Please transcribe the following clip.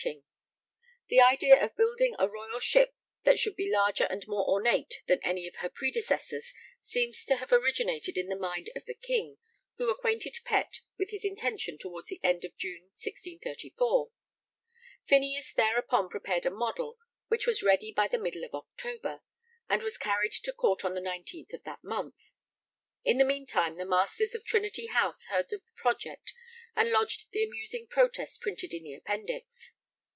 [Sidenote: The Sovereign of the Seas.] The idea of building a royal ship that should be larger and more ornate than any of her predecessors seems to have originated in the mind of the King, who acquainted Pett with his intention towards the end of June 1634. Phineas thereupon prepared a model, which was ready by the middle of October and was carried to Court on the 19th of that month. In the meantime the Masters of Trinity House heard of the project and lodged the amusing protest printed in the Appendix.